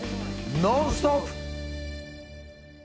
「ノンストップ！」！